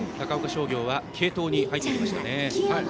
商業は継投に入ってきましたね。